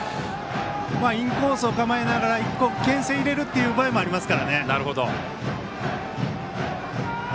インコースを構えながらけん制を入れるという場合もあります。